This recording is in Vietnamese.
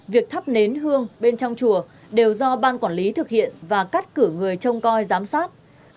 việc thắp nến hương bên trong chùa đều do ban quản lý thực hiện và cắt cử người trông coi giám sát